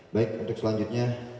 baik untuk selanjutnya